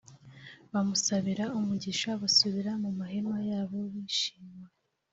bamusabira umugisha basubira mu mahema yabo bishima